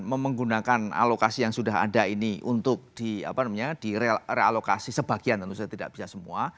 memenggunakan alokasi yang sudah ada ini untuk di apa namanya di realokasi sebagian tentu saja tidak bisa semua